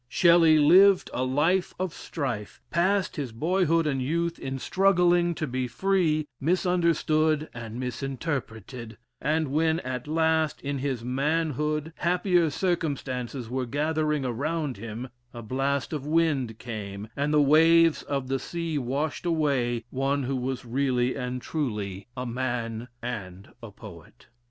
Shelley lived a life of strife, passed his boyhood and youth in struggling to be free misunderstood and misinterpreted: and when at last in his manhood happier circumstances were gathering around him, a blast of wind came, and the waves of the sea washed away one who was really and truly "a man and a poet."